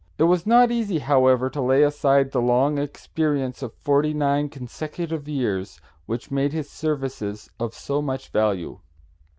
It was not easy, however, to lay aside the long experience of forty nine consecutive years, which made his services of so much value.